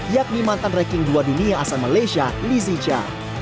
yakni mantan reking dua dunia asal malaysia lizicha